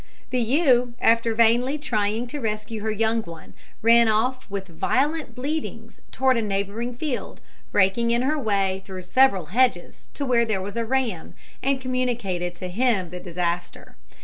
The ewe, after vainly trying to rescue her young one, ran off with violent bleatings towards a neighbouring field, breaking in her way through several hedges, to where there was a ram, and communicated to him the disaster.